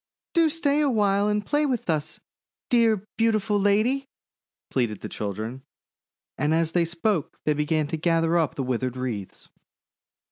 "Do stay awhile and play with us, dear, beau tiful lady!" pleaded the children; and as they spoke they began to gather up the withered wreaths.